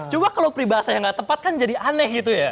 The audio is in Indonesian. cuma kalau peribahasa yang nggak tepat kan jadi aneh gitu ya